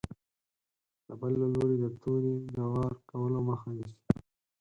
د بل له لوري د تورې د وار کولو مخه نیسي.